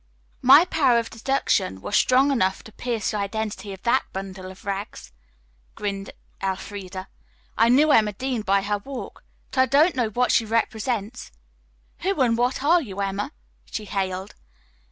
"My powers of deduction were strong enough to pierce the identity of that bundle of rags," grinned Elfreda. "I knew Emma Dean by her walk, but I don't know what she represents. Who and what are you, Emma?" she hailed.